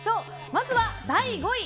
まず、第５位。